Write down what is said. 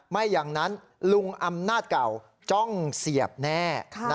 ไม่อย่างนั้นลุงอำนาจเก่าจ้องเสียบแน่